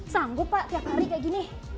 sanggup pak tiap hari kayak gini